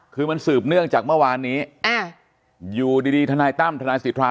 คือมันสืบเนื่องจากเมื่อวานนี้อยู่ดีทนายตั้มทนายสิทธา